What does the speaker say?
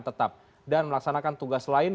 tetap dan melaksanakan tugas lain